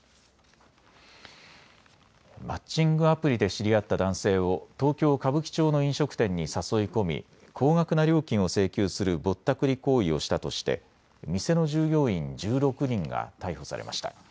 マッチングアプリで知り合った男性を東京歌舞伎町の飲食店に誘い込み高額な料金を請求するぼったくり行為をしたとして店の従業員１６人が逮捕されました。